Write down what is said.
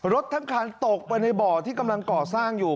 รถทั้งคันตกไปในบ่อที่กำลังก่อสร้างอยู่